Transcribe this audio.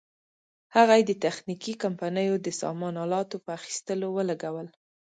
هغه یې د تخنیکي کمپنیو د سامان الاتو په اخیستلو ولګول.